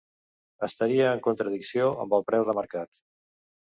Estaria en contradicció amb el preu de mercat.